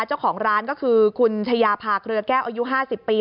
เจ้าของร้านก็คือคุณชายาพาเกลือแก้วอายุ๕๐ปี